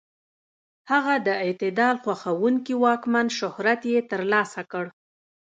هغه د اعتدال خوښونکي واکمن شهرت یې تر لاسه کړ.